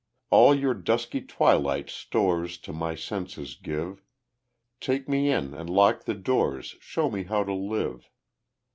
All your dusky twilight stores To my senses give; Take me in and lock the doors, Show me how to live.